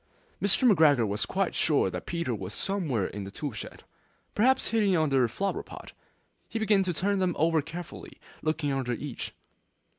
Mr. McGregor was quite sure that Peter was somewhere in the tool shed, perhaps hidden underneath a flower pot. He began to turn them over carefully, looking under each.